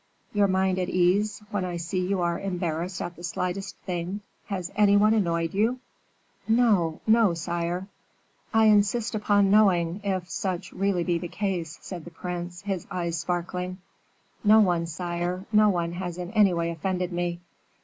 "Your mind at ease, when I see you are embarrassed at the slightest thing. Has any one annoyed you?" "No, no, sire." "I insist upon knowing if such really be the case," said the prince, his eyes sparkling. "No one, sire, no one has in any way offended me."